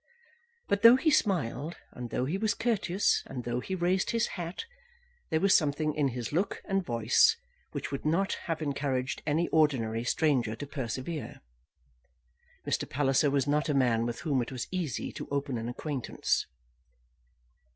But though he smiled, and though he was courteous, and though he raised his hat, there was something in his look and voice which would not have encouraged any ordinary stranger to persevere. Mr. Palliser was not a man with whom it was easy to open an acquaintance.